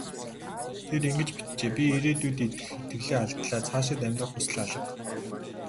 Тэр ингэж бичжээ: "Би ирээдүйд итгэх итгэлээ алдлаа. Цаашид амьдрах хүсэл алга".